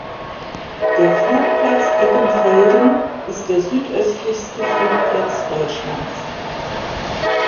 Der Flugplatz Eggenfelden ist der südöstlichste Flugplatz Deutschlands.